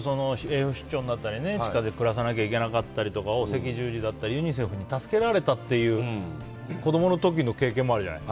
栄養失調になったり、地下で暮らさなきゃいけなかったり赤十字だったりユニセフに助けられたという子供の時の経験もあるじゃない。